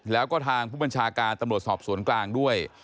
แล้วก็ทางผู้บัญชาการตำรวจสอบสวนกลางด้วย